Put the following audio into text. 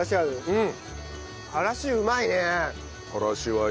うん。